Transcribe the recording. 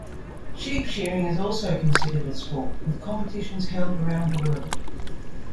Sheep shearing is also considered a sport with competitions held around the world.